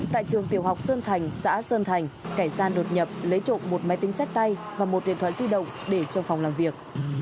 tại trường tiểu học sơn thành xã sơn thành kẻ gian đột nhập lấy trộm một máy tính sách tay và một điện thoại di động để trong phòng làm việc